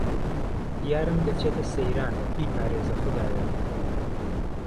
یارم دهچێته سهیران بیپارێزه خودایا